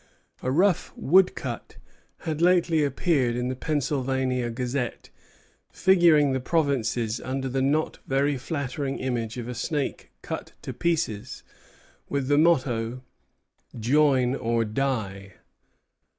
A rough woodcut had lately appeared in the Pennsylvania Gazette, figuring the provinces under the not very flattering image of a snake cut to pieces, with the motto, "Join, or die."